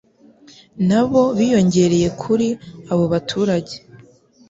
na bo biyongereye kuri abo baturage.